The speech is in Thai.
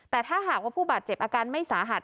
แต่ถ้าหากว่าผู้บาดเจ็บอาการไม่สาหัส